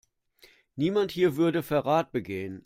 Niemand hier würde Verrat begehen.